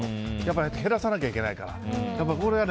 減らさなきゃいけないから。